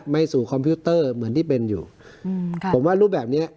สู่คอมพิวเตอร์เหมือนที่เป็นอยู่อืมค่ะผมว่ารูปแบบเนี้ย